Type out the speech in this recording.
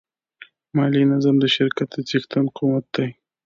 مالي نظم د شرکت د څښتن قوت دی.